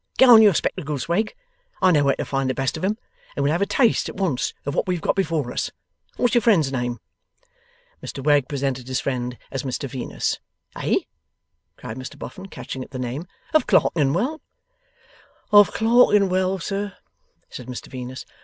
Get on your spectacles, Wegg; I know where to find the best of 'em, and we'll have a taste at once of what we have got before us. What's your friend's name?' Mr Wegg presented his friend as Mr Venus. 'Eh?' cried Mr Boffin, catching at the name. 'Of Clerkenwell?' 'Of Clerkenwell, sir,' said Mr Venus.